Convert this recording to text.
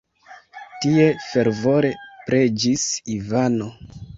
Tie fervore preĝis Ivano.